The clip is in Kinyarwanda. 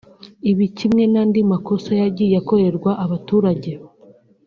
Ibi kimwe n’andi makosa yagiye akorerwa abaturage